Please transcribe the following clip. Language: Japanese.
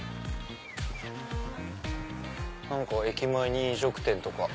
何か駅前に飲食店とか。